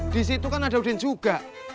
di situ kan ada udin juga